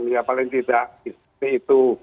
ya paling tidak itu